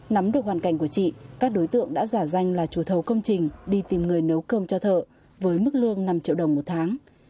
nắm được hoàn cảnh của chị các đối tượng đã giả danh là chủ thầu công trình đi tìm người nấu cơm cho thợ với mức lương năm triệu đồng một tháng